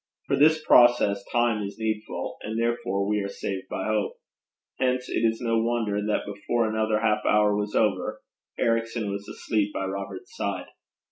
For this process time is needful; and therefore we are saved by hope. Hence it is no wonder that before another half hour was over, Ericson was asleep by Robert's side.